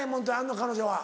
彼女は。